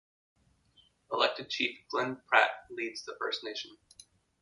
Elected Chief Glen Pratt leads the First Nation.